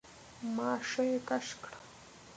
ماشه يې کش کړه.